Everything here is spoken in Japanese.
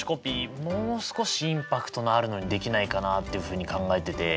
もう少しインパクトのあるのにできないかなっていうふうに考えてて。